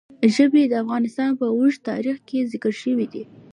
ژبې د افغانستان په اوږده تاریخ کې ذکر شوی دی.